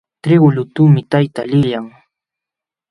Trigu lutuqmi tayta liyan.